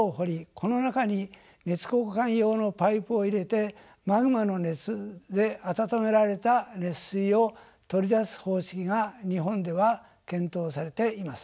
この中に熱交換用のパイプを入れてマグマの熱で温められた熱水を取り出す方式が日本では検討されています。